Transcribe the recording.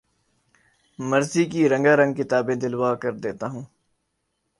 مرضی کی رنگار نگ کتابیں دلوا کر دیتا ہوں